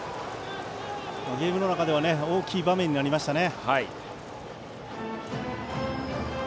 ゲームの中では大きい場面になりましたね。